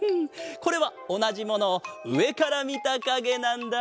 これはおなじものをうえからみたかげなんだ。